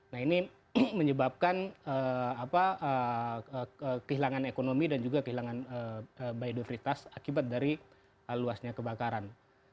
nah ini menyebabkan kehilangan ekonomi dan juga kehilangan biodiveritas akibat dari luasnya kebakaran